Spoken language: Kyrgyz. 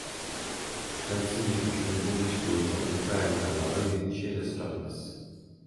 Шадиев үчүн бул иш боюнча УКМКдагы биринчи эле сурак эмес.